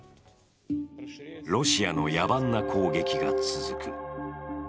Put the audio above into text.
ロシアの野蛮な攻撃が続く。